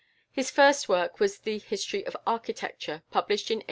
His first work was a "History of Architecture," published in 1849.